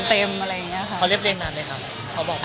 เขาเรียบเรียงนานเลยค่ะ